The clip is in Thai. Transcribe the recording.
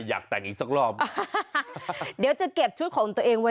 อยากแต่งอีกสักรอบเดี๋ยวจะเก็บชุดของตัวเองไว้